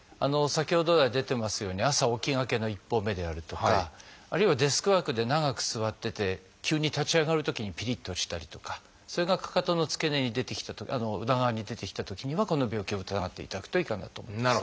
先ほど来出てますように朝起きがけの一歩目であるとかあるいはデスクワークで長く座ってて急に立ち上がるときにピリッとしたりとかそれがかかとの付け根に裏側に出てきたときにはこの病気を疑っていただくといいかなと思います。